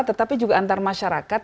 tetapi juga antar masyarakat